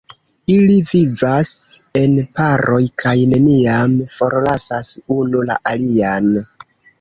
Ili vivas en paroj kaj neniam forlasas unu la alian.